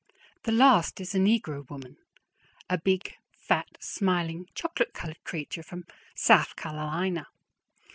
The last is a negro woman, a big, fat, smiling, chocolate colored creature from Souf Ca'lina.